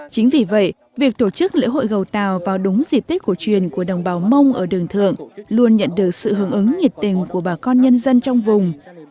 chính vì vậy việc tổ chức lễ hội gầu tàu vào đúng dịp tết cổ truyền của đồng bào mông ở đường thượng luôn nhận được sự hướng ứng nhiệt tình của bà con nhân dân trong vùng